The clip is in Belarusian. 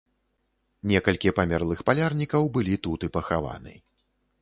Некалькі памерлых палярнікаў былі тут і пахаваны.